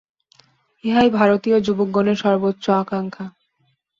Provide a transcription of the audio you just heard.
ইহাই ভারতীয় যুবকগণের সর্বোচ্চ আকাঙ্ক্ষা।